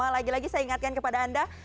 lagi lagi saya ingatkan kepada anda